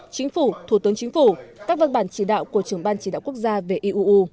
chính phủ thủ tướng chính phủ các văn bản chỉ đạo của trưởng ban chỉ đạo quốc gia về iuu